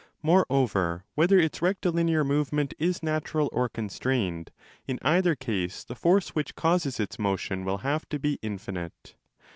Moreover, whether its rectilinear movement is natural or constrained, in either case the force which causes its motion will have to be infinite.